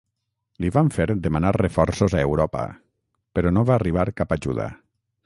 Li van fer demanar reforços a Europa, però no va arribar cap ajuda.